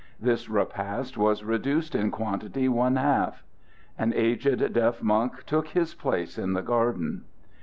This repast was reduced in quantity one half. An aged deaf monk took his place in the garden.